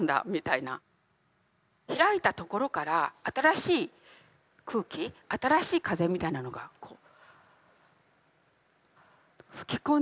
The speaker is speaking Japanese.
開いたところから新しい空気新しい風みたいなのがこう吹き込んできたような気がして。